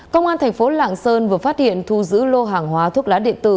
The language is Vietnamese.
công an thành phố lạng sơn vừa phát hiện thu giữ lô hàng hóa thuốc lá điện tử